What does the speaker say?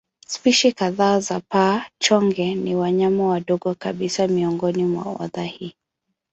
Spishi kadhaa za paa-chonge ni wanyama wadogo kabisa miongoni mwa oda hii.